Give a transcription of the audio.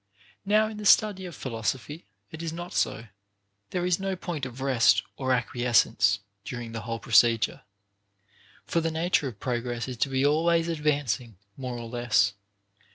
Now in the study of philosophy it is not so ; there is no point of rest or ac quiescence during the whole procedure, for the nature of progress is to be always advancing, more or less.